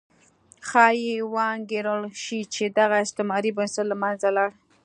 ښایي وانګېرل شي چې دغه استعماري بنسټ له منځه لاړ.